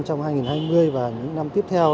trong hai nghìn hai mươi và những năm tiếp theo